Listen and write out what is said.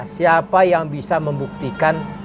siapa yang bisa membuktikan